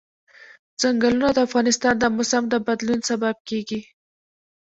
ځنګلونه د افغانستان د موسم د بدلون سبب کېږي.